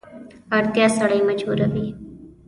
اړتیا سړی مجبوروي.